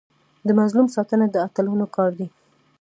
د مظلوم ساتنه د اتلانو کار دی.